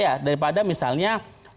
iya dari pada misalnya